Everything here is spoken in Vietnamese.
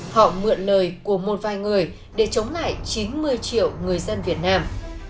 họ mượn lời của một vài người để chống lại chín mươi triệu người dân việt nam